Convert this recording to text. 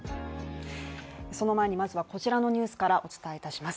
その前にまずはこちらのニュースからお伝えいたします。